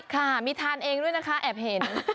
ค่ะมีทานเองด้วยนะคะแอบเห็น